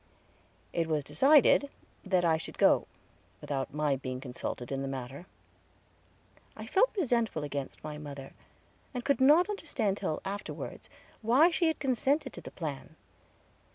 It was decided that I should go, without my being consulted in the matter. I felt resentful against mother, and could not understand till afterward, why she had consented to the plan.